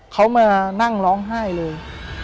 เขามานั่งร้องไห้เลย